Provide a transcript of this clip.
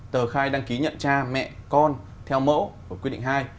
tờ khai đăng ký nhận cha mẹ con theo mẫu của quy định hai